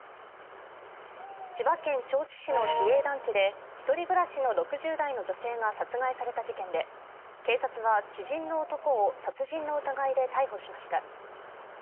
千葉県銚子市の市営団地で１人暮らしの６０代の女性が殺害された事件で警察は知人の男を殺人の疑いで逮捕しました。